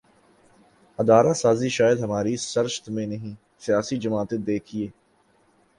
ادارہ سازی شاید ہماری سرشت میں نہیں سیاسی جماعتیں دیکھیے